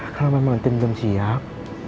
kalau mbak tintin belum siap